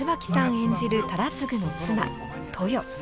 演じる忠次の妻登与。